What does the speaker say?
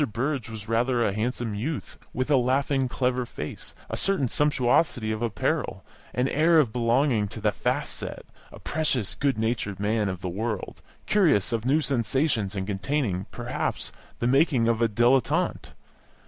Burrage was rather a handsome youth, with a laughing, clever face, a certain sumptuosity of apparel, an air of belonging to the "fast set" a precocious, good natured man of the world, curious of new sensations and containing, perhaps, the making of a dilettante.